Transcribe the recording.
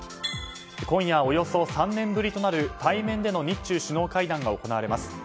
今夜およそ３年ぶりとなる対面での日中首脳会談が行われます。